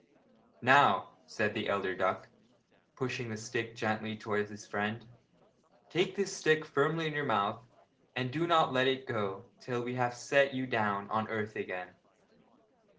'Now,' said the elder duck, pushing the stick gently towards his friend, 'take this stick firmly in your mouth, and do not let it go till we have set you down on earth again.'